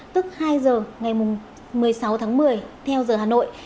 tức hai giờ ngày một mươi sáu tháng một mươi theo giờ hà nội